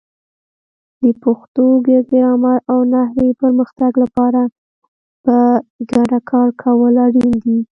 د پښتو د ګرامر او نحوې پرمختګ لپاره په ګډه کار کول اړین دي.